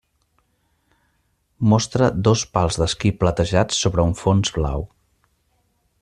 Mostra dos pals d'esquí platejats sobre un fons blau.